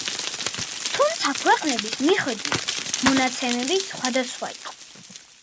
თუმცა, ქვეყნების მიხედვით მონაცემები სხვადასხვა იყო.